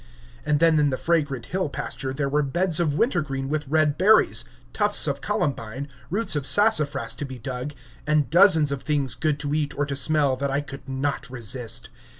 And then in the fragrant hill pasture there were beds of wintergreen with red berries, tufts of columbine, roots of sassafras to be dug, and dozens of things good to eat or to smell, that I could not resist.